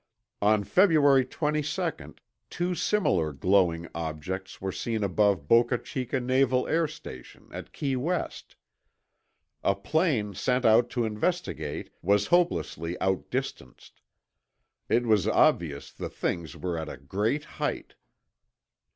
On February 22 two similar glowing objects were seen above Boca Chica Naval Air Station at Key West. A plane sent tip to investigate was hopelessly outdistanced; it was obvious the things were at a great height.